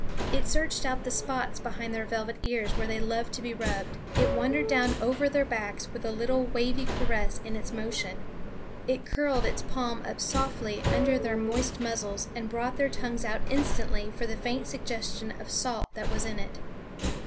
It searched out the spots behind their velvet ears where they love to be rubbed; it wandered down over their backs with a little wavy caress in its motion; it curled its palm up softly under their moist muzzles and brought their tongues out instantly for the faint suggestion of salt that was in it.